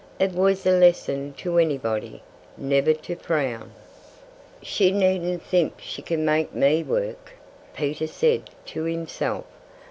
It was a lesson to anybody, never to frown! "She needn't think she can make me work!" Peter said to himself.